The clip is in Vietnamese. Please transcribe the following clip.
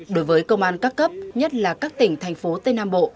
đối với công an các cấp nhất là các tỉnh thành phố tây nam bộ